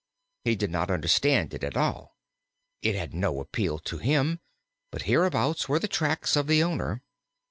He did not understand it at all. It had no appeal to him, but hereabouts were the tracks of the owner.